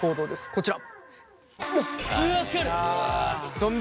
こちら。